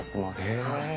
へえ。